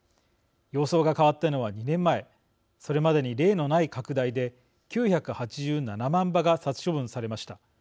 様相が変わったのは２年前それまでに例のない拡大で９８７万羽が殺処分されました。